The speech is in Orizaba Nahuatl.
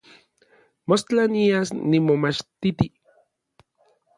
Mostla nias nimomachtiti.